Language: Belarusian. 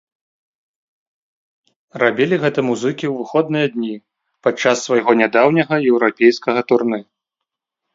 Рабілі гэта музыкі ў выходныя дні падчас свайго нядаўняга еўрапейскага турнэ.